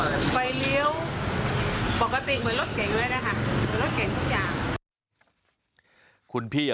เหมือนรถเก่งทุกอย่าง